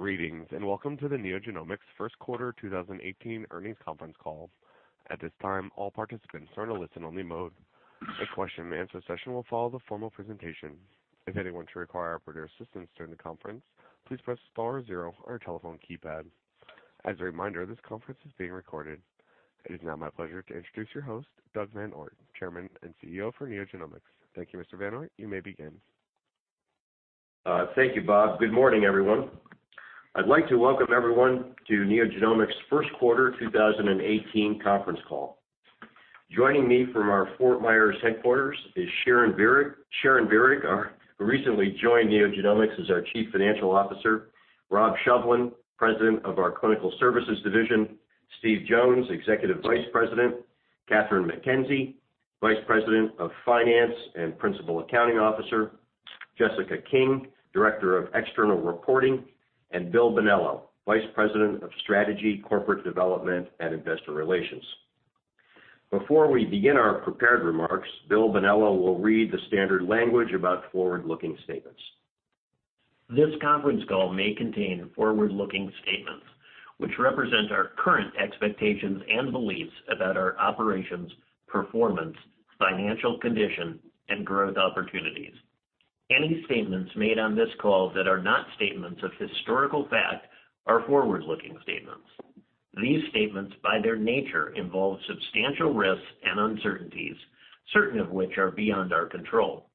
Greetings, welcome to the NeoGenomics first quarter 2018 earnings conference call. At this time, all participants are in a listen-only mode. A question-and-answer session will follow the formal presentation. If anyone should require operator assistance during the conference, please press star zero on your telephone keypad. As a reminder, this conference is being recorded. It is now my pleasure to introduce your host, Doug VanOort, Chairman and CEO for NeoGenomics. Thank you, Mr. VanOort. You may begin. Thank you, Bob. Good morning, everyone. I'd like to welcome everyone to NeoGenomics' first quarter 2018 conference call. Joining me from our Fort Myers headquarters is Sharon Virag, who recently joined NeoGenomics as our Chief Financial Officer; Rob Shovlin, President of our Clinical Services division; Steve Jones, Executive Vice President; Kathryn McKenzie, Vice President of Finance and Principal Accounting Officer; Jessica King, Director of External Reporting; and Bill Bonello, Vice President of Strategy, Corporate Development, and Investor Relations. Before we begin our prepared remarks, Bill Bonello will read the standard language about forward-looking statements. This conference call may contain forward-looking statements, which represent our current expectations and beliefs about our operations, performance, financial condition, and growth opportunities. Any statements made on this call that are not statements of historical fact are forward-looking statements. These statements, by their nature, involve substantial risks and uncertainties, certain of which are beyond our control.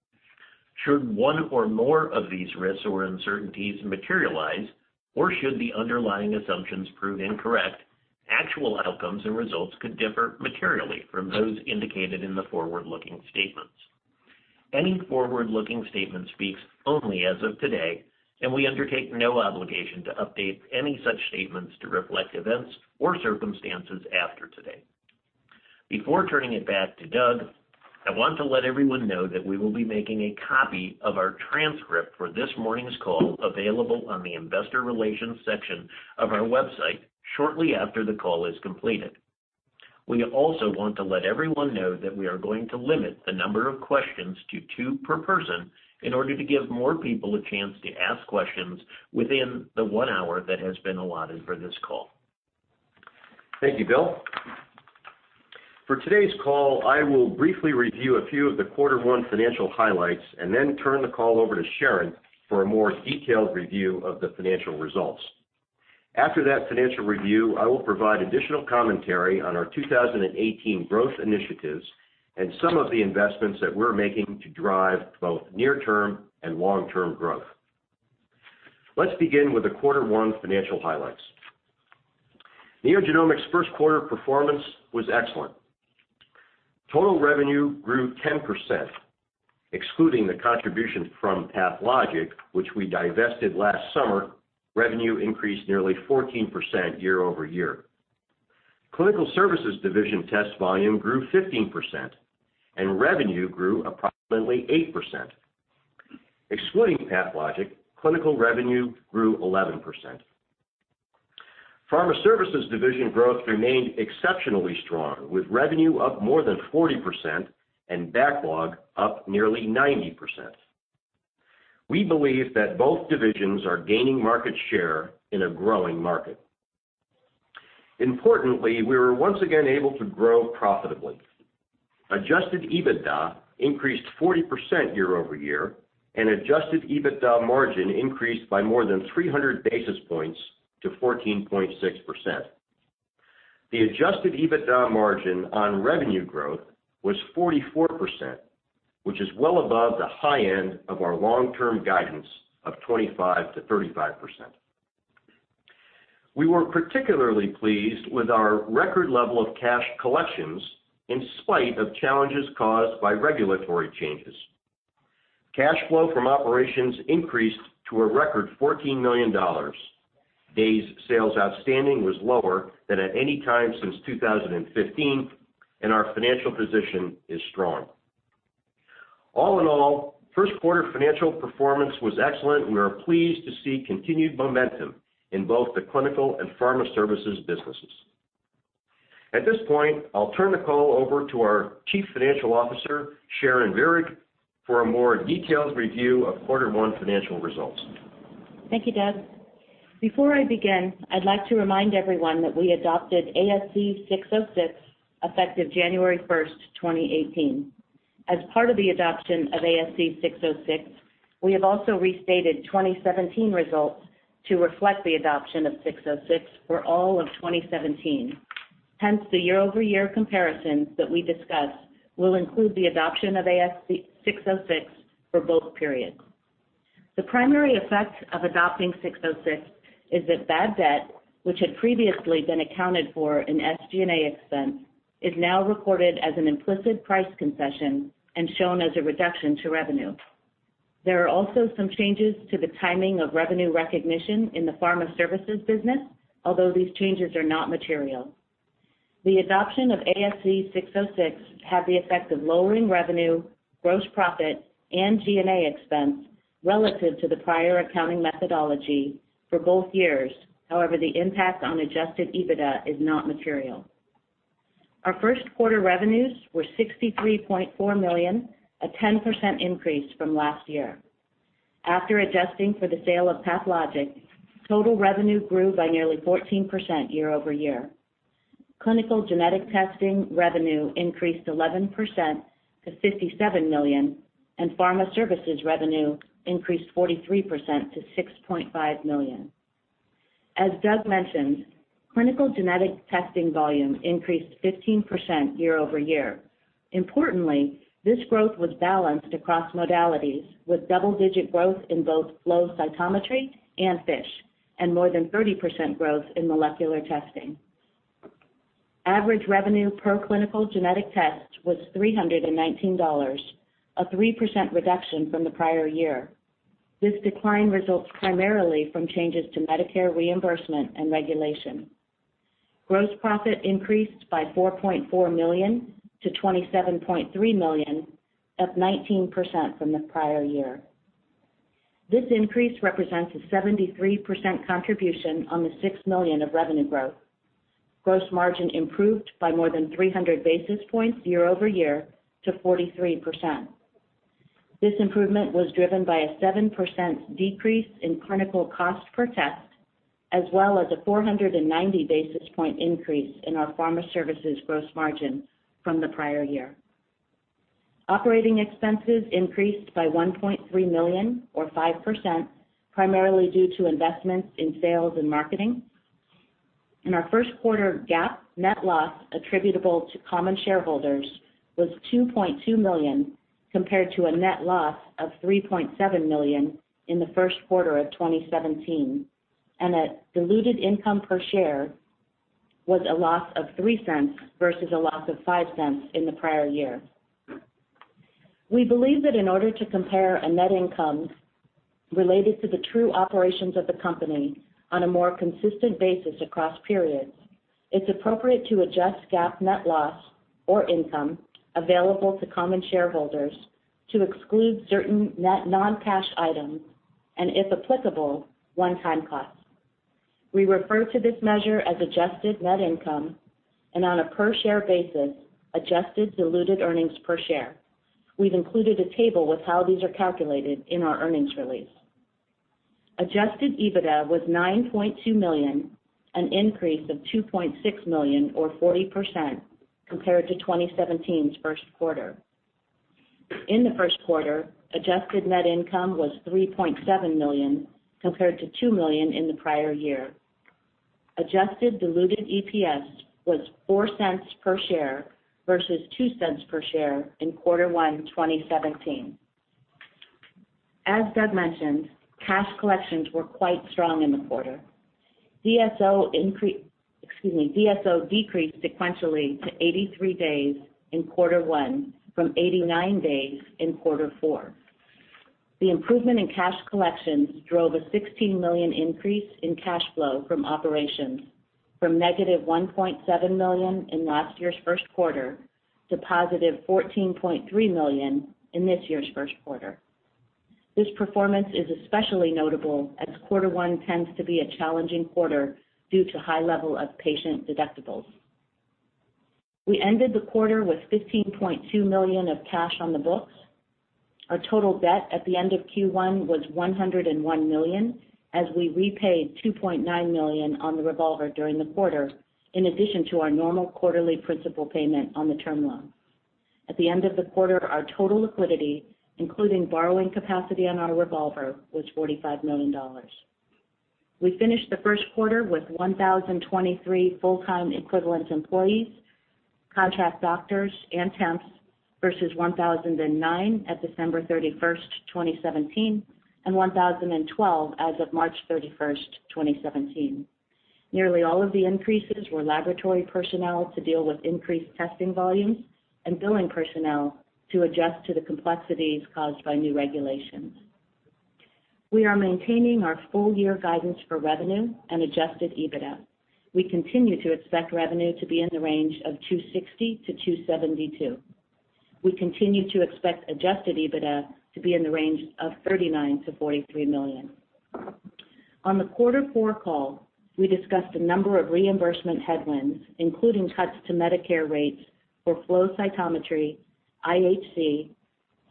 Should one or more of these risks or uncertainties materialize, or should the underlying assumptions prove incorrect, actual outcomes and results could differ materially from those indicated in the forward-looking statements. Any forward-looking statement speaks only as of today. We undertake no obligation to update any such statements to reflect events or circumstances after today. Before turning it back to Doug, I want to let everyone know that we will be making a copy of our transcript for this morning's call available on the investor relations section of our website shortly after the call is completed. We also want to let everyone know that we are going to limit the number of questions to two per person in order to give more people a chance to ask questions within the one hour that has been allotted for this call. Thank you, Bill. For today's call, I will briefly review a few of the quarter one financial highlights and then turn the call over to Sharon Virag for a more detailed review of the financial results. After that financial review, I will provide additional commentary on our 2018 growth initiatives and some of the investments that we're making to drive both near-term and long-term growth. Let's begin with the quarter one financial highlights. NeoGenomics' first quarter performance was excellent. Total revenue grew 10%. Excluding the contribution from PathLogic, which we divested last summer, revenue increased nearly 14% year-over-year. Clinical Services division test volume grew 15%, and revenue grew approximately 8%. Excluding PathLogic, clinical revenue grew 11%. Pharma Services division growth remained exceptionally strong, with revenue up more than 40% and backlog up nearly 90%. We believe that both divisions are gaining market share in a growing market. Importantly, we were once again able to grow profitably. Adjusted EBITDA increased 40% year-over-year, and adjusted EBITDA margin increased by more than 300 basis points to 14.6%. The adjusted EBITDA margin on revenue growth was 44%, which is well above the high end of our long-term guidance of 25%-35%. We were particularly pleased with our record level of cash collections in spite of challenges caused by regulatory changes. Cash flow from operations increased to a record $14 million. Days sales outstanding was lower than at any time since 2015, and our financial position is strong. All in all, first quarter financial performance was excellent, and we are pleased to see continued momentum in both the Clinical and Pharma Services businesses. At this point, I'll turn the call over to our Chief Financial Officer, Sharon Virag, for a more detailed review of quarter one financial results. Thank you, Doug. Before I begin, I'd like to remind everyone that we adopted ASC 606 effective January 1st, 2018. As part of the adoption of ASC 606, we have also restated 2017 results to reflect the adoption of 606 for all of 2017. Hence, the year-over-year comparisons that we discuss will include the adoption of ASC 606 for both periods. The primary effect of adopting 606 is that bad debt, which had previously been accounted for in SG&A expense, is now recorded as an implicit price concession and shown as a reduction to revenue. There are also some changes to the timing of revenue recognition in the Pharma Services business, although these changes are not material. The adoption of ASC 606 had the effect of lowering revenue, gross profit, and G&A expense relative to the prior accounting methodology for both years. However, the impact on adjusted EBITDA is not material. Our first quarter revenues were $63.4 million, a 10% increase from last year. After adjusting for the sale of PathLogic, total revenue grew by nearly 14% year-over-year. Clinical genetic testing revenue increased 11% to $57 million, and Pharma Services revenue increased 43% to $6.5 million. As Doug mentioned, clinical genetic testing volume increased 15% year-over-year. Importantly, this growth was balanced across modalities, with double-digit growth in both flow cytometry and FISH, and more than 30% growth in molecular testing. Average revenue per clinical genetic test was $319, a 3% reduction from the prior year. This decline results primarily from changes to Medicare reimbursement and regulation. Gross profit increased by $4.4 million to $27.3 million, up 19% from the prior year. This increase represents a 73% contribution on the $6 million of revenue growth. Gross margin improved by more than 300 basis points year-over-year to 43%. This improvement was driven by a 7% decrease in clinical cost per test, as well as a 490 basis point increase in our Pharma Services gross margin from the prior year. Operating expenses increased by $1.3 million or 5%, primarily due to investments in sales and marketing. In our first quarter, GAAP net loss attributable to common shareholders was $2.2 million compared to a net loss of $3.7 million in the first quarter of 2017, and a diluted income per share was a loss of $0.03 versus a loss of $0.05 in the prior year. We believe that in order to compare a net income related to the true operations of the company on a more consistent basis across periods, it's appropriate to adjust GAAP net loss or income available to common shareholders to exclude certain net non-cash items and, if applicable, one-time costs. We refer to this measure as adjusted net income and on a per share basis, adjusted diluted earnings per share. We've included a table with how these are calculated in our earnings release. Adjusted EBITDA was $9.2 million, an increase of $2.6 million or 40% compared to 2017's first quarter. In the first quarter, adjusted net income was $3.7 million compared to $2 million in the prior year. Adjusted diluted EPS was $0.04 per share versus $0.02 per share in quarter one 2017. As Doug mentioned, cash collections were quite strong in the quarter. DSO decreased sequentially to 83 days in quarter one from 89 days in quarter four. The improvement in cash collections drove a $16 million increase in cash flow from operations from negative $1.7 million in last year's first quarter to positive $14.3 million in this year's first quarter. This performance is especially notable as quarter one tends to be a challenging quarter due to high level of patient deductibles. We ended the quarter with $15.2 million of cash on the books. Our total debt at the end of Q1 was $101 million, as we repaid $2.9 million on the revolver during the quarter, in addition to our normal quarterly principal payment on the term loan. At the end of the quarter, our total liquidity, including borrowing capacity on our revolver, was $45 million. We finished the first quarter with 1,023 full-time equivalent employees, contract doctors, and temps versus 1,009 at December 31st, 2017 and 1,012 as of March 31st, 2017. Nearly all of the increases were laboratory personnel to deal with increased testing volumes and billing personnel to adjust to the complexities caused by new regulations. We are maintaining our full-year guidance for revenue and adjusted EBITDA. We continue to expect revenue to be in the range of $260 million-$272 million. We continue to expect adjusted EBITDA to be in the range of $39 million-$43 million. On the quarter four call, we discussed a number of reimbursement headwinds, including cuts to Medicare rates for flow cytometry, IHC,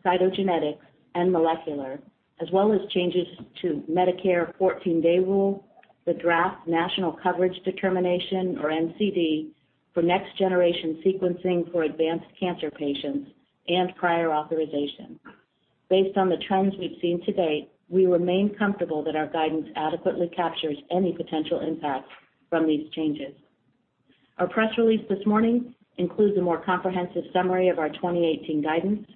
cytogenetics, and molecular, as well as changes to Medicare 14-day rule, the draft National Coverage Determination or NCD for next-generation sequencing for advanced cancer patients and prior authorization. Based on the trends we've seen to date, we remain comfortable that our guidance adequately captures any potential impact from these changes. Our press release this morning includes a more comprehensive summary of our 2018 guidance,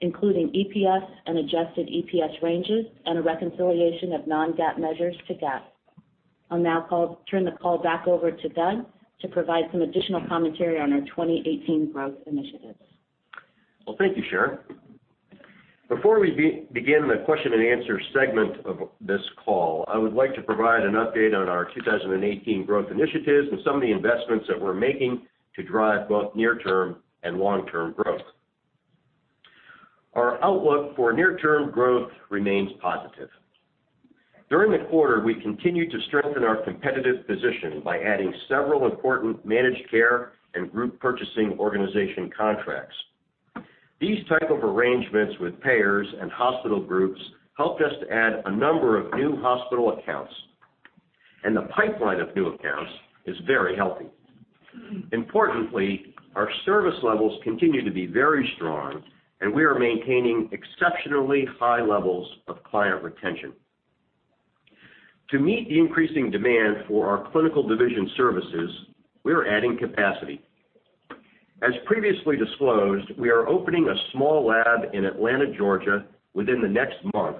including EPS and adjusted EPS ranges and a reconciliation of non-GAAP measures to GAAP. I'll now turn the call back over to Doug to provide some additional commentary on our 2018 growth initiatives. Well, thank you, Sharon. Before we begin the question and answer segment of this call, I would like to provide an update on our 2018 growth initiatives and some of the investments that we're making to drive both near-term and long-term growth. Our outlook for near-term growth remains positive. During the quarter, we continued to strengthen our competitive position by adding several important managed care and group purchasing organization contracts. These type of arrangements with payers and hospital groups helped us to add a number of new hospital accounts, and the pipeline of new accounts is very healthy. Importantly, our service levels continue to be very strong, and we are maintaining exceptionally high levels of client retention. To meet the increasing demand for our Clinical Services, we are adding capacity. As previously disclosed, we are opening a small lab in Atlanta, Georgia, within the next month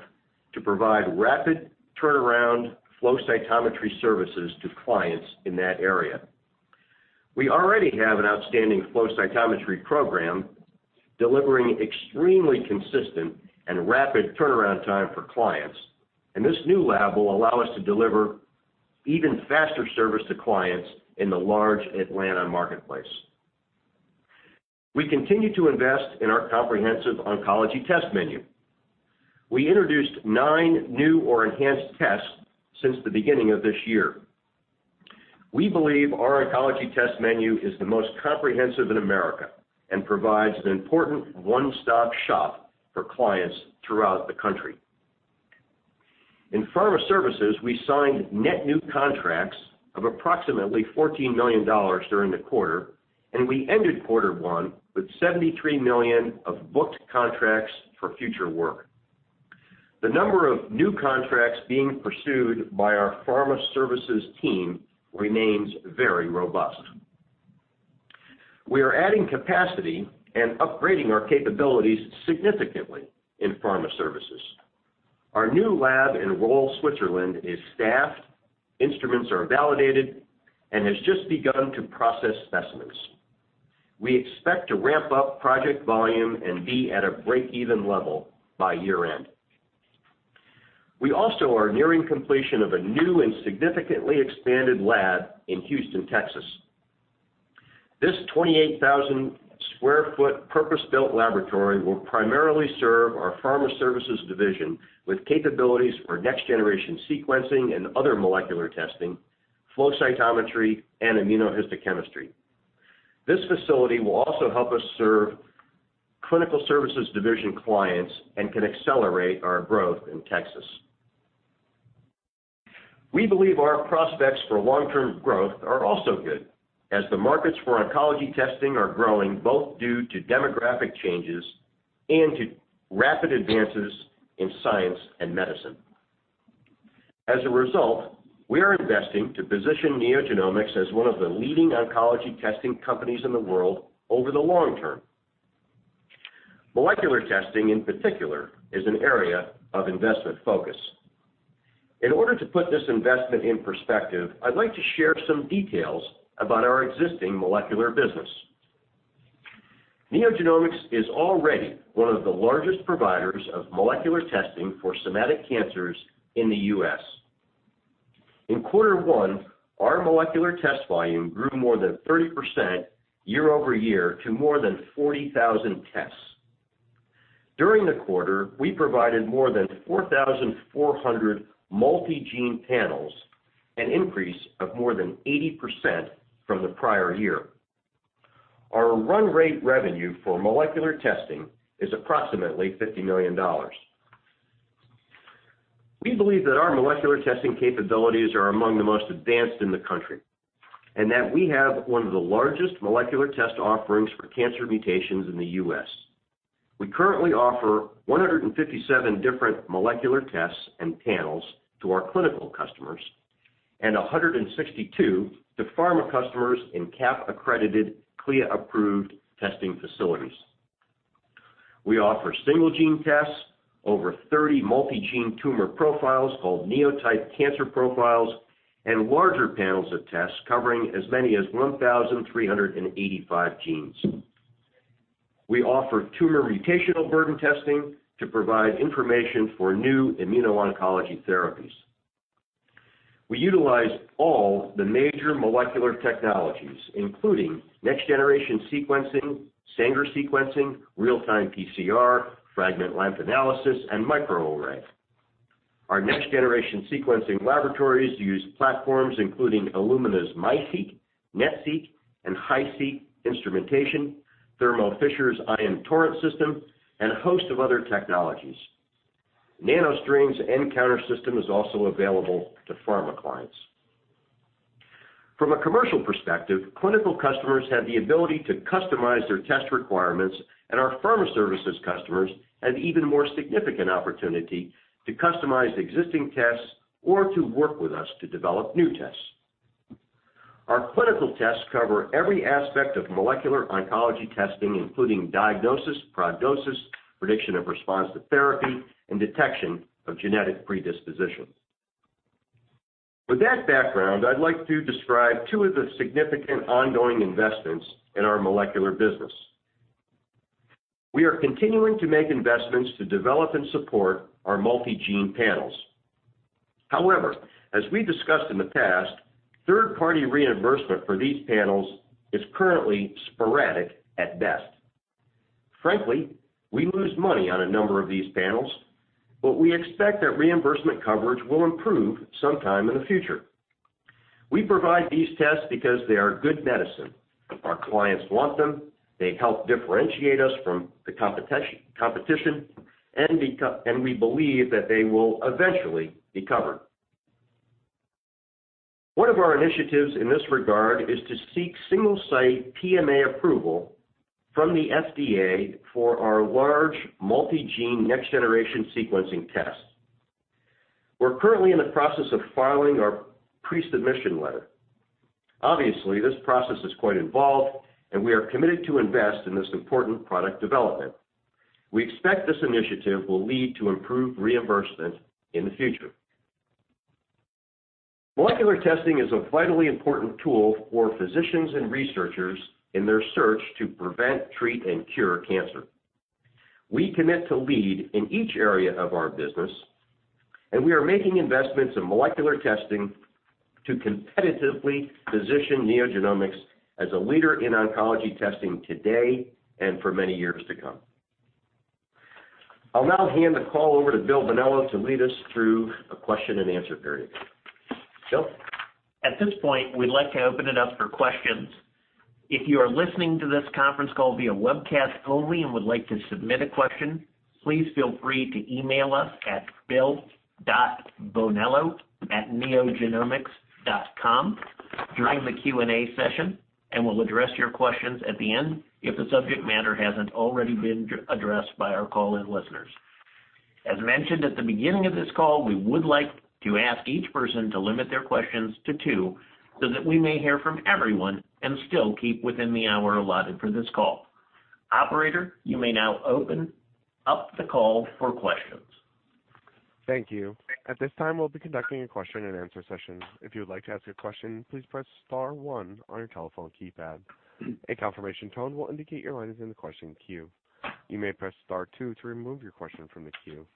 to provide rapid turnaround flow cytometry services to clients in that area. We already have an outstanding flow cytometry program delivering extremely consistent and rapid turnaround time for clients, and this new lab will allow us to deliver even faster service to clients in the large Atlanta marketplace. We continue to invest in our comprehensive oncology test menu. We introduced nine new or enhanced tests since the beginning of this year. We believe our oncology test menu is the most comprehensive in America and provides an important one-stop shop for clients throughout the country. In Pharma Services, we signed net new contracts of approximately $14 million during the quarter, and we ended quarter one with $73 million of booked contracts for future work. The number of new contracts being pursued by our Pharma Services team remains very robust. We are adding capacity and upgrading our capabilities significantly in Pharma Services. Our new lab in Rolle, Switzerland, is staffed, instruments are validated, and has just begun to process specimens. We expect to ramp up project volume and be at a break-even level by year-end. We also are nearing completion of a new and significantly expanded lab in Houston, Texas. This 28,000 sq ft purpose-built laboratory will primarily serve our Pharma Services division with capabilities for next-generation sequencing and other molecular testing, flow cytometry, and immunohistochemistry. This facility will also help us serve Clinical Services division clients and can accelerate our growth in Texas. We believe our prospects for long-term growth are also good, as the markets for oncology testing are growing, both due to demographic changes and to rapid advances in science and medicine. As a result, we are investing to position NeoGenomics as one of the leading oncology testing companies in the world over the long term. Molecular testing in particular is an area of investment focus. In order to put this investment in perspective, I'd like to share some details about our existing molecular business. NeoGenomics is already one of the largest providers of molecular testing for somatic cancers in the U.S. In quarter one, our molecular test volume grew more than 30% year-over-year to more than 40,000 tests. During the quarter, we provided more than 4,400 multi-gene panels, an increase of more than 80% from the prior year. Our run rate revenue for molecular testing is approximately $50 million. We believe that our molecular testing capabilities are among the most advanced in the country and that we have one of the largest molecular test offerings for cancer mutations in the U.S. We currently offer 157 different molecular tests and panels to our clinical customers and 162 to pharma customers in CAP-accredited, CLIA-approved testing facilities. We offer single-gene tests, over 30 multi-gene tumor profiles called NeoTYPE cancer profiles, and larger panels of tests covering as many as 1,385 genes. We offer tumor mutational burden testing to provide information for new immuno-oncology therapies. We utilize all the major molecular technologies, including next-generation sequencing, Sanger sequencing, real-time PCR, fragment length analysis, and microarray. Our next-generation sequencing laboratories use platforms including Illumina's MiSeq, NextSeq, and HiSeq instrumentation, Thermo Fisher's Ion Torrent system, and a host of other technologies. NanoString's nCounter system is also available to pharma clients. From a commercial perspective, clinical customers have the ability to customize their test requirements, and our Pharma Services customers have even more significant opportunity to customize existing tests or to work with us to develop new tests. Our clinical tests cover every aspect of molecular oncology testing, including diagnosis, prognosis, prediction of response to therapy, and detection of genetic predisposition. With that background, I'd like to describe two of the significant ongoing investments in our molecular business. We are continuing to make investments to develop and support our multi-gene panels. However, as we discussed in the past, third-party reimbursement for these panels is currently sporadic at best. Frankly, we lose money on a number of these panels, but we expect that reimbursement coverage will improve sometime in the future. We provide these tests because they are good medicine. Our clients want them, they help differentiate us from the competition, and we believe that they will eventually be covered. One of our initiatives in this regard is to seek single-site PMA approval from the FDA for our large multi-gene next-generation sequencing test. We're currently in the process of filing our pre-submission letter. Obviously, this process is quite involved, and we are committed to invest in this important product development. We expect this initiative will lead to improved reimbursement in the future. Molecular testing is a vitally important tool for physicians and researchers in their search to prevent, treat, and cure cancer. We commit to lead in each area of our business, and we are making investments in molecular testing to competitively position NeoGenomics as a leader in oncology testing today and for many years to come. I'll now hand the call over to William Bonello to lead us through a question and answer period. Bill? At this point, we'd like to open it up for questions. If you are listening to this conference call via webcast only and would like to submit a question, please feel free to email us at bill.bonello@neogenomics.com during the Q&A session, and we'll address your questions at the end if the subject matter hasn't already been addressed by our call-in listeners. As mentioned at the beginning of this call, we would like to ask each person to limit their questions to two so that we may hear from everyone and still keep within the hour allotted for this call. Operator, you may now open up the call for questions. Thank you. At this time, we'll be conducting a question and answer session. If you would like to ask a question, please press star one on your telephone keypad. A confirmation tone will indicate your line is in the question queue. You may press star two to remove your question from the queue.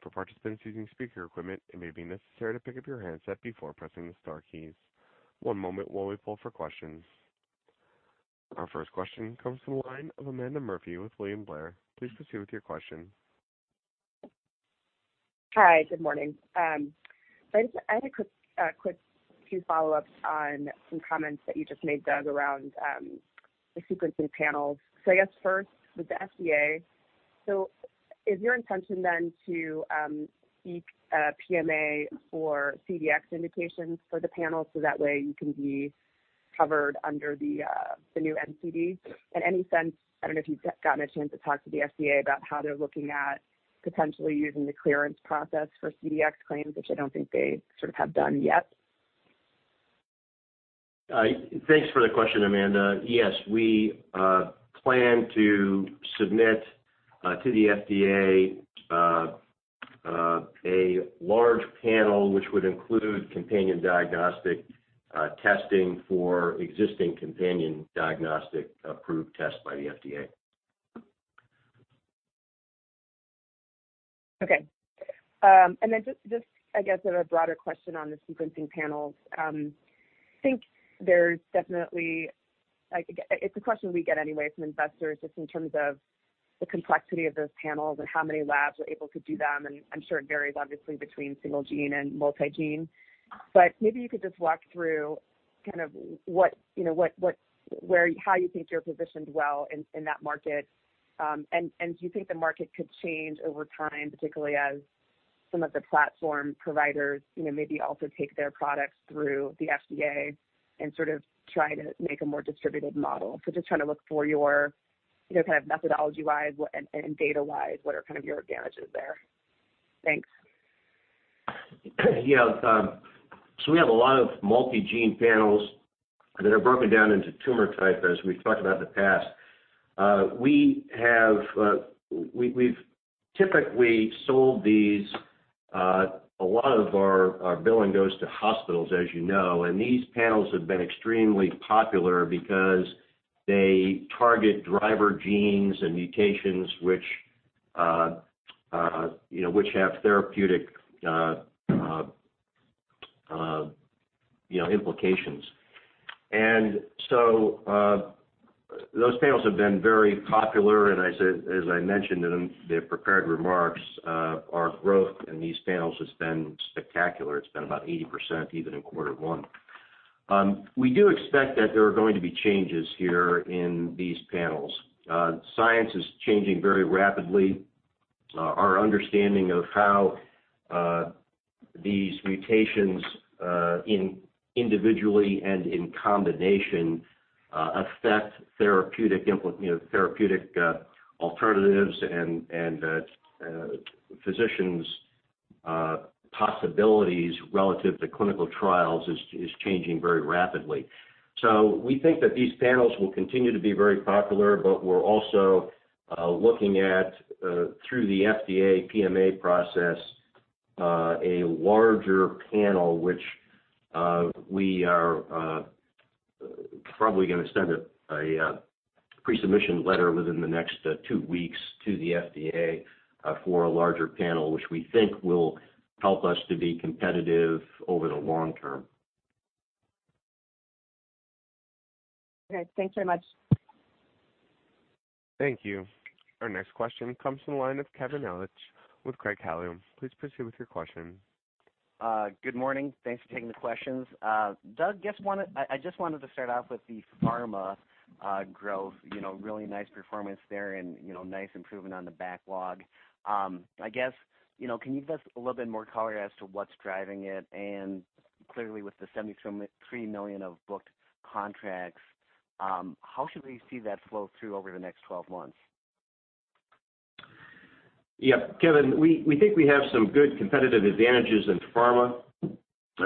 For participants using speaker equipment, it may be necessary to pick up your handset before pressing the star keys. One moment while we poll for questions. Our first question comes from the line of Amanda Murphy with William Blair. Please proceed with your question. Hi. Good morning. I just had a quick few follow-ups on some comments that you just made, Doug, around the sequencing panels. I guess first, with the FDA, is your intention then to seek a PMA for CDX indications for the panel, so that way you can be covered under the new NCD? Any sense, I don't know if you've gotten a chance to talk to the FDA about how they're looking at potentially using the clearance process for CDX claims, which I don't think they sort of have done yet? Thanks for the question, Amanda. Yes, we plan to submit to the FDA a large panel, which would include companion diagnostic testing for existing companion diagnostic approved tests by the FDA. Okay. Just, I guess, a broader question on the sequencing panels. It's a question we get anyway from investors, just in terms of the complexity of those panels and how many labs are able to do them, and I'm sure it varies obviously between single gene and multi-gene. Maybe you could just walk through how you think you're positioned well in that market. Do you think the market could change over time, particularly as some of the platform providers maybe also take their products through the FDA and sort of try to make a more distributed model? Just trying to look for your kind of methodology-wise and data-wise, what are kind of your advantages there? Thanks. Yeah. We have a lot of multi-gene panels that are broken down into tumor type, as we've talked about in the past. We've typically sold these, a lot of our billing goes to hospitals, as you know. These panels have been extremely popular because they target driver genes and mutations which have therapeutic implications. Those panels have been very popular. As I mentioned in the prepared remarks, our growth in these panels has been spectacular. It's been about 80%, even in quarter one. We do expect that there are going to be changes here in these panels. Science is changing very rapidly. Our understanding of how these mutations, individually and in combination, affect therapeutic alternatives and physicians' possibilities relative to clinical trials is changing very rapidly. We think that these panels will continue to be very popular. We're also looking at, through the FDA PMA process, a larger panel which we are probably going to send a pre-submission letter within the next two weeks to the FDA for a larger panel, which we think will help us to be competitive over the long term. Okay. Thanks very much. Thank you. Our next question comes from the line of Kevin Ellich with Craig-Hallum. Please proceed with your question. Good morning. Thanks for taking the questions. Doug, I just wanted to start off with the pharma growth. Really nice performance there and nice improvement on the backlog. I guess, can you give us a little bit more color as to what's driving it? Clearly with the $73 million of booked contracts, how should we see that flow through over the next 12 months? Yeah, Kevin, we think we have some good competitive advantages in pharma.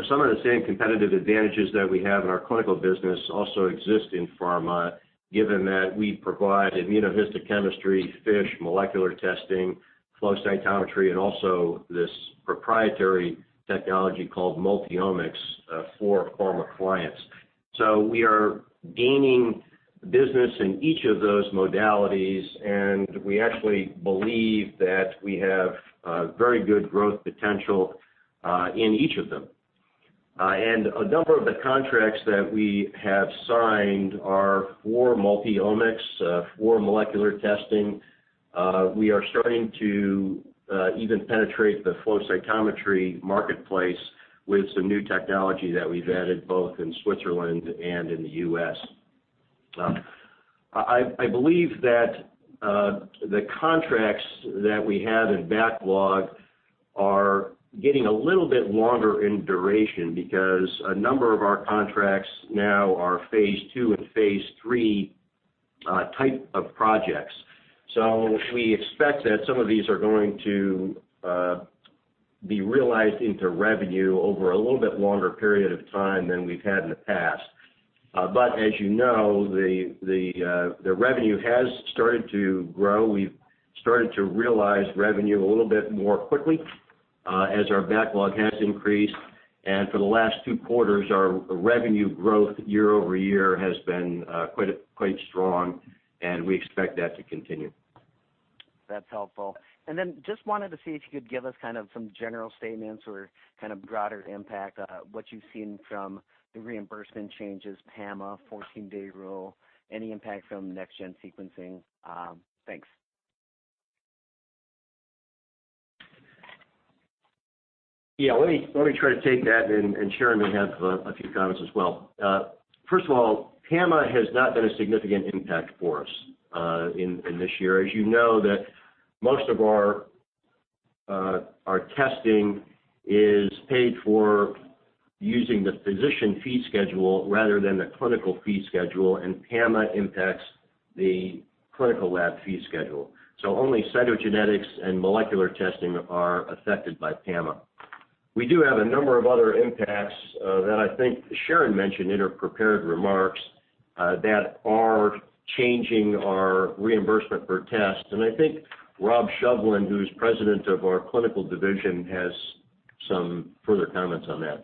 Some of the same competitive advantages that we have in our clinical business also exist in pharma, given that we provide immunohistochemistry, FISH, molecular testing, flow cytometry, and also this proprietary technology called MultiOmyx for pharma clients. We are gaining business in each of those modalities, and we actually believe that we have very good growth potential in each of them. A number of the contracts that we have signed are for MultiOmyx, for molecular testing. We are starting to even penetrate the flow cytometry marketplace with some new technology that we've added both in Switzerland and in the U.S. I believe that the contracts that we have in backlog are getting a little bit longer in duration because a number of our contracts now are phase II and phase III type of projects. We expect that some of these are going to be realized into revenue over a little bit longer period of time than we've had in the past. As you know, the revenue has started to grow. We've started to realize revenue a little bit more quickly as our backlog has increased. For the last two quarters, our revenue growth year-over-year has been quite strong, and we expect that to continue. That's helpful. Just wanted to see if you could give us some general statements or broader impact, what you've seen from the reimbursement changes, PAMA 14-day rule, any impact from next gen sequencing? Thanks. Yeah. Let me try to take that. Sharon may have a few comments as well. First of all, PAMA has not been a significant impact for us in this year. As you know that most of our testing is paid for using the physician fee schedule rather than the clinical fee schedule. PAMA impacts the clinical lab fee schedule. Only cytogenetics and molecular testing are affected by PAMA. We do have a number of other impacts that I think Sharon mentioned in her prepared remarks that are changing our reimbursement per test. I think Rob Shovlin, who's President of our Clinical Services division, has some further comments on that.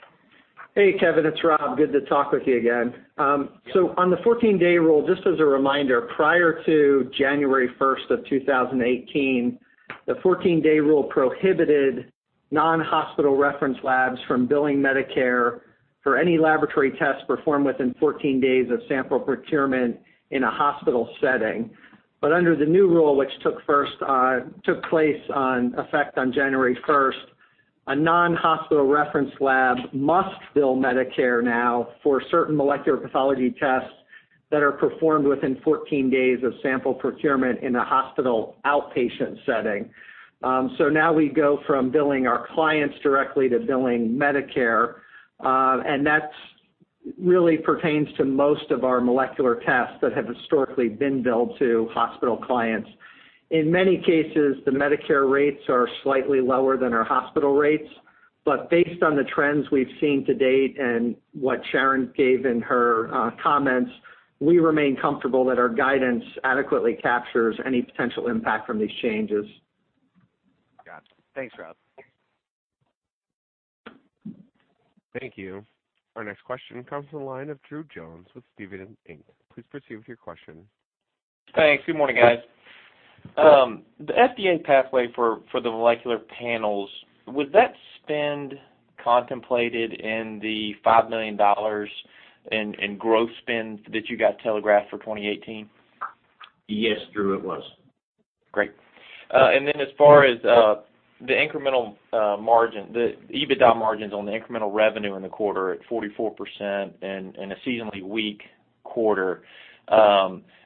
Hey, Kevin. It's Rob. Good to talk with you again. On the 14-day rule, just as a reminder, prior to January 1st of 2018, the 14-day rule prohibited non-hospital reference labs from billing Medicare for any laboratory tests performed within 14 days of sample procurement in a hospital setting. Under the new rule, which took place on effect on January 1st, a non-hospital reference lab must bill Medicare now for certain molecular pathology tests that are performed within 14 days of sample procurement in a hospital outpatient setting. Now we go from billing our clients directly to billing Medicare. That really pertains to most of our molecular tests that have historically been billed to hospital clients. In many cases, the Medicare rates are slightly lower than our hospital rates. Based on the trends we've seen to date and what Sharon gave in her comments, we remain comfortable that our guidance adequately captures any potential impact from these changes. Got it. Thanks, Rob. Thank you. Our next question comes from the line of Drew Jones with Stephens Inc. Please proceed with your question. Thanks. Good morning, guys. The FDA pathway for the molecular panels, was that spend contemplated in the $5 million in growth spend that you guys telegraphed for 2018? Yes, Drew, it was. Great. As far as the EBITDA margins on the incremental revenue in the quarter at 44% and a seasonally weak quarter,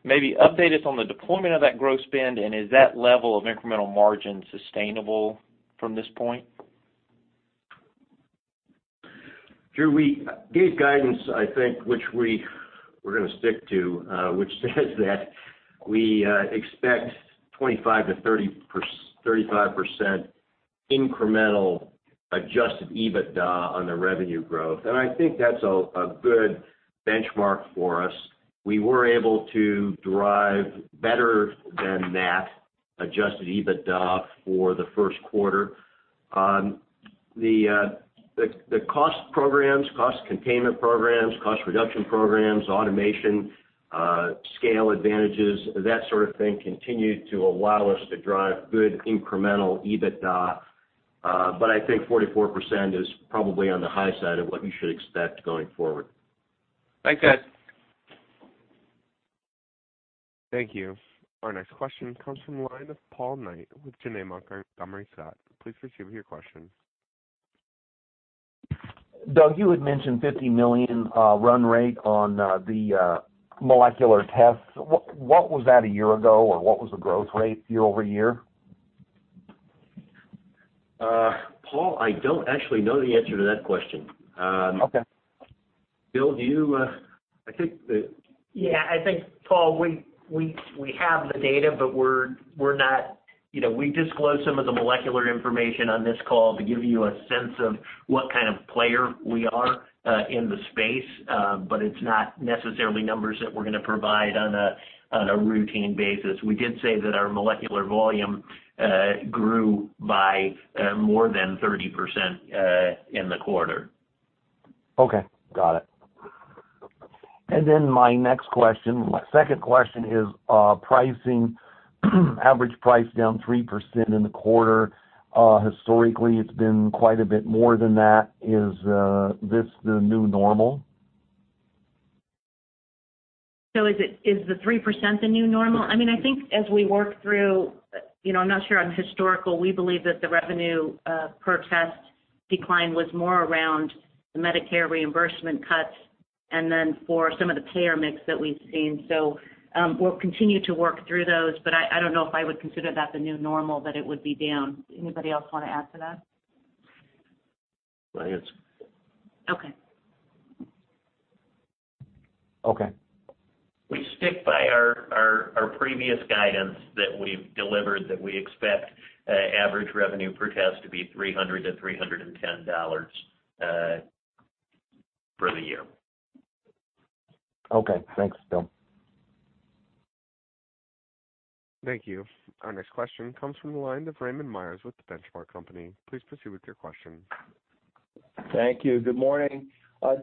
maybe update us on the deployment of that growth spend, is that level of incremental margin sustainable from this point? Drew, we gave guidance, I think, which we're going to stick to, which says that we expect 25%-35% incremental adjusted EBITDA on the revenue growth. I think that's a good benchmark for us. We were able to drive better than that adjusted EBITDA for the first quarter. The cost programs, cost containment programs, cost reduction programs, automation, scale advantages, that sort of thing, continue to allow us to drive good incremental EBITDA. I think 44% is probably on the high side of what you should expect going forward. Thanks, guys. Thank you. Our next question comes from the line of Paul Knight with Janney Montgomery Scott. Please proceed with your question. Doug, you had mentioned $50 million run rate on the molecular tests. What was that a year ago, or what was the growth rate year-over-year? Paul, I don't actually know the answer to that question. Okay. Bill, do you? Yeah. I think, Paul, we have the data, but we disclose some of the molecular information on this call to give you a sense of what kind of player we are in the space, but it's not necessarily numbers that we're going to provide on a routine basis. We did say that our molecular volume grew by more than 30% in the quarter. Okay. Got it. My second question is pricing. Average price down 3% in the quarter. Historically, it's been quite a bit more than that. Is this the new normal? Is the 3% the new normal? I think as we work through, I'm not sure on historical, we believe that the revenue per test decline was more around the Medicare reimbursement cuts for some of the payer mix that we've seen. We'll continue to work through those, I don't know if I would consider that the new normal, that it would be down. Anybody else want to add to that? Well, I guess Okay. Okay. We stick by our previous guidance that we've delivered, that we expect average revenue per test to be $300-$310 for the year. Okay. Thanks, Bill. Thank you. Our next question comes from the line of Raymond Meyers with The Benchmark Company. Please proceed with your question. Thank you. Good morning.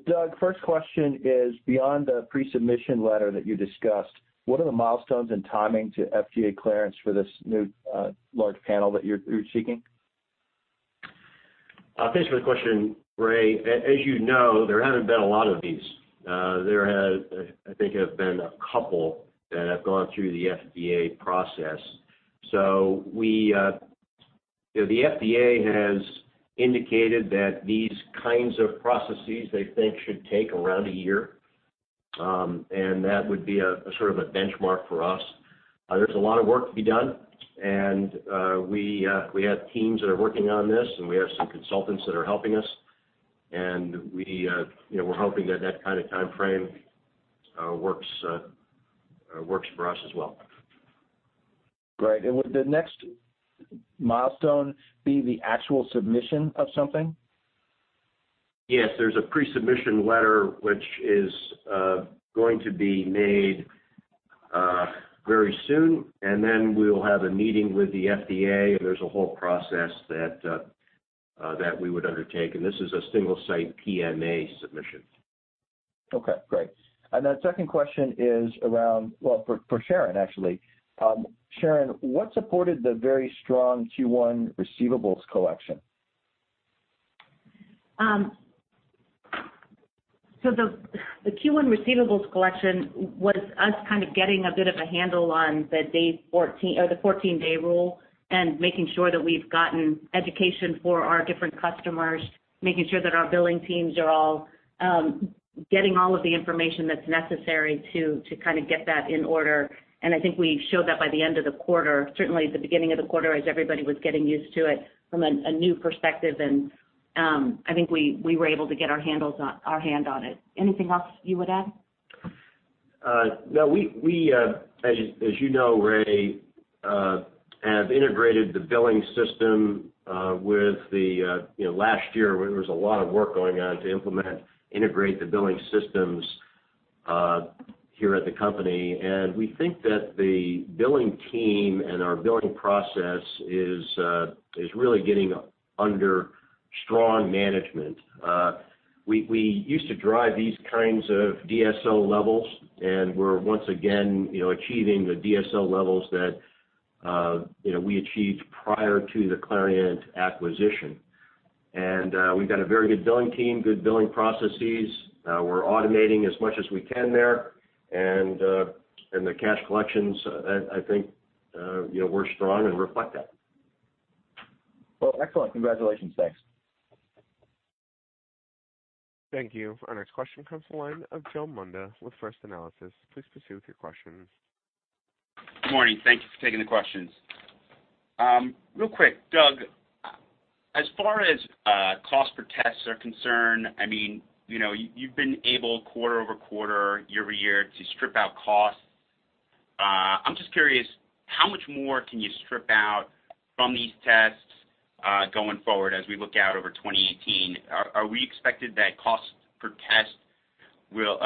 Doug, first question is, beyond the pre-submission letter that you discussed, what are the milestones and timing to FDA clearance for this new large panel that you're seeking? Thanks for the question, Ray. As you know, there haven't been a lot of these. There, I think, have been a couple that have gone through the FDA process. The FDA has indicated that these kinds of processes, they think, should take around one year. That would be a sort of a benchmark for us. There's a lot of work to be done, and we have teams that are working on this, and we have some consultants that are helping us. We're hoping that that kind of timeframe works for us as well. Great. Would the next milestone be the actual submission of something? Yes. There's a pre-submission letter which is going to be made very soon, then we'll have a meeting with the FDA, and there's a whole process that we would undertake, and this is a single site PMA submission. Okay, great. Then second question is for Sharon, actually. Sharon, what supported the very strong Q1 receivables collection? The Q1 receivables collection was us getting a bit of a handle on the 14-day rule and making sure that we've gotten education for our different customers, making sure that our billing teams are all getting all of the information that's necessary to get that in order. I think we showed that by the end of the quarter. Certainly, at the beginning of the quarter, as everybody was getting used to it from a new perspective, and I think we were able to get our hand on it. Anything else you would add? No. As you know, Ray, have integrated the billing system with the Last year where there was a lot of work going on to implement, integrate the billing systems here at the company. We think that the billing team and our billing process is really getting under strong management. We used to drive these kinds of DSO levels, and we're once again achieving the DSO levels that we achieved prior to the Clarient acquisition. We've got a very good billing team, good billing processes. We're automating as much as we can there. The cash collections, I think, we're strong and reflect that. Well, excellent. Congratulations. Thanks. Thank you. Our next question comes from the line of Joe Munda with First Analysis. Please proceed with your questions. Good morning. Thank you for taking the questions. Real quick, Doug, as far as cost per tests are concerned, you've been able, quarter-over-quarter, year-over-year, to strip out costs. I'm just curious, how much more can you strip out from these tests, going forward as we look out over 2018? Are we expected that cost per test will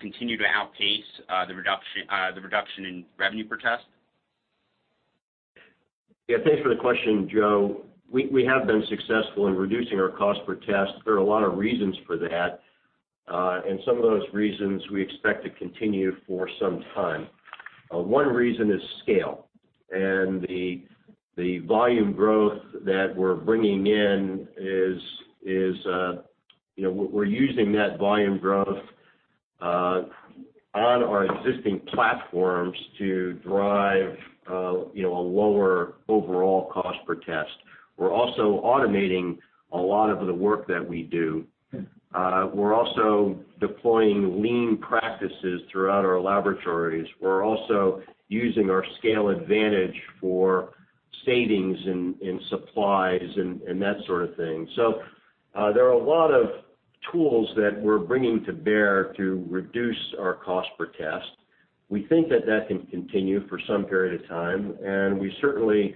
continue to outpace the reduction in revenue per test? Thanks for the question, Joe. We have been successful in reducing our cost per test. There are a lot of reasons for that, and some of those reasons we expect to continue for some time. One reason is scale, and the volume growth that we're bringing in, we're using that volume growth on our existing platforms to drive a lower overall cost per test. We're also automating a lot of the work that we do. We're also deploying lean practices throughout our laboratories. We're also using our scale advantage for savings in supplies and that sort of thing. There are a lot of tools that we're bringing to bear to reduce our cost per test. We think that that can continue for some period of time, and we certainly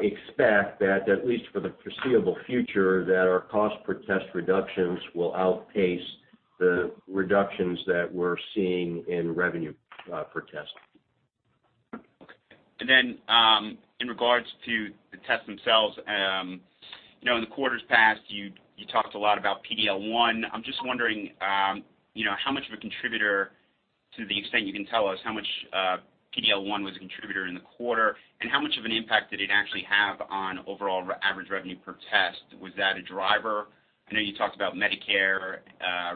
expect that, at least for the foreseeable future, that our cost per test reductions will outpace the reductions that we're seeing in revenue per test. In regards to the tests themselves, in the quarters past, you talked a lot about PD-L1. I'm just wondering, how much of a contributor, to the extent you can tell us, how much PD-L1 was a contributor in the quarter, and how much of an impact did it actually have on overall average revenue per test? Was that a driver? I know you talked about Medicare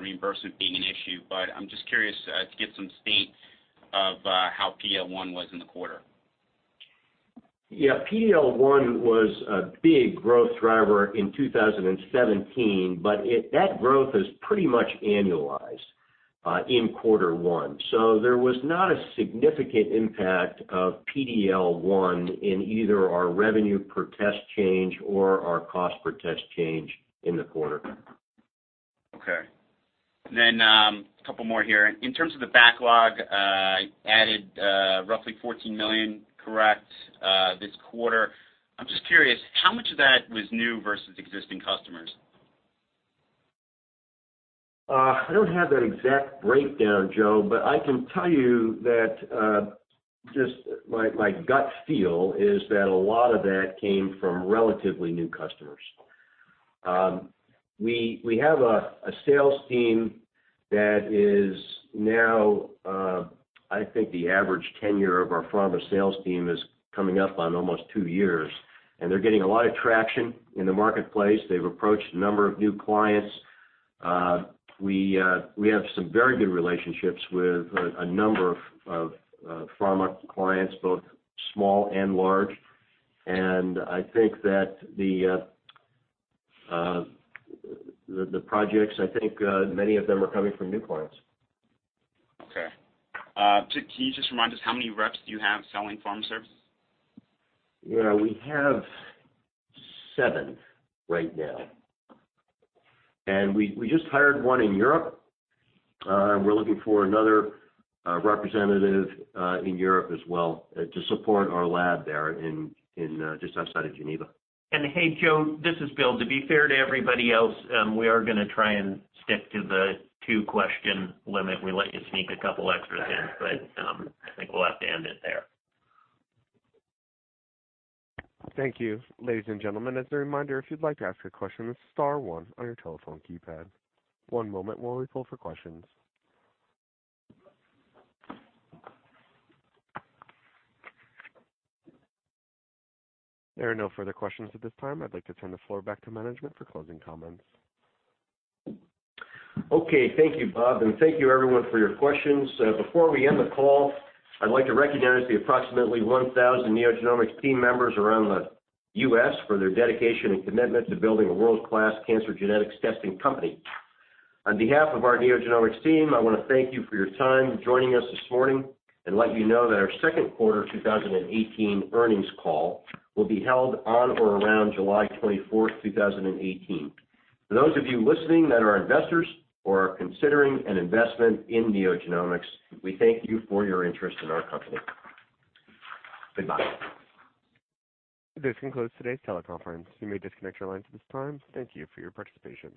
reimbursement being an issue. I'm just curious to get some state of how PD-L1 was in the quarter. PD-L1 was a big growth driver in 2017, but that growth has pretty much annualized in quarter one. There was not a significant impact of PD-L1 in either our revenue per test change or our cost per test change in the quarter. Okay. Couple more here. In terms of the backlog, added roughly $14 million, correct, this quarter. I'm just curious, how much of that was new versus existing customers? I don't have that exact breakdown, Joe, I can tell you that, just my gut feel is that a lot of that came from relatively new customers. We have a sales team that is now, I think the average tenure of our pharma sales team is coming up on almost two years, they're getting a lot of traction in the marketplace. They've approached a number of new clients. We have some very good relationships with a number of pharma clients, both small and large. I think that the projects, I think many of them are coming from new clients. Okay. Can you just remind us how many reps do you have selling Pharma Services? Yeah, we have seven right now. We just hired one in Europe. We're looking for another representative in Europe as well to support our lab there in just outside of Geneva. Hey, Joe, this is Bill. To be fair to everybody else, we are going to try and stick to the two-question limit. We let you sneak a couple extra in, but I think we'll have to end it there. Thank you. Ladies and gentlemen, as a reminder, if you'd like to ask a question, star one on your telephone keypad. One moment while we pull for questions. There are no further questions at this time. I'd like to turn the floor back to management for closing comments. Okay. Thank you, Bob, and thank you everyone for your questions. Before we end the call, I'd like to recognize the approximately 1,000 NeoGenomics team members around the U.S. for their dedication and commitment to building a world-class cancer genetics testing company. On behalf of our NeoGenomics team, I want to thank you for your time joining us this morning and let you know that our second quarter 2018 earnings call will be held on or around July 24th 2018. For those of you listening that are investors or are considering an investment in NeoGenomics, we thank you for your interest in our company. Goodbye. This concludes today's teleconference. You may disconnect your lines at this time. Thank you for your participation.